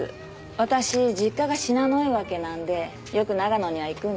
私実家が信濃追分なんでよく長野には行くんです。